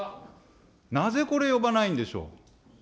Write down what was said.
なぜ、これ、呼ばないんでしょう。